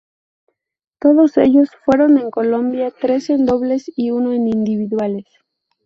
Todos ellos fueron en Colombia, tres en dobles y uno en individuales.